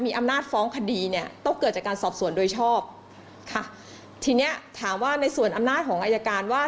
ทีนี้ถามว่าในส่วนอำนาจของอายการดาวน์ว่า